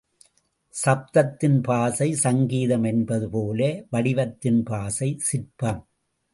சப்தத்தின் பாஷை சங்கீதம் என்பது போல வடிவத்தின் பாஷை சிற்பம்.